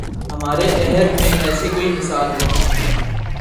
ہمارے عہد میں ایسی کوئی مثال نہیں